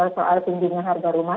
soal tingginya harga rumah